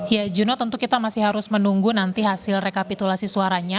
ya juno tentu kita masih harus menunggu nanti hasil rekapitulasi suaranya